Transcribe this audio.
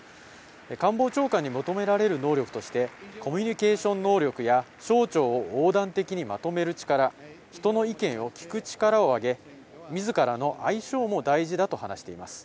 官房長官に求められる能力として、コミュニケーション能力や、省庁を横断的にまとめる力、人の意見を聞く力を挙げ、みずからの相性も大事だと話しています。